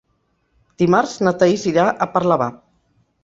Dimarts na Thaís irà a Parlavà.